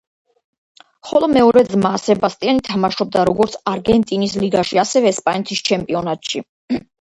ხოლო მეორე ძმა, სებასტიანი თამაშობდა, როგორც არგენტინის ლიგაში, ასევე ესპანეთის ჩემპიონატში.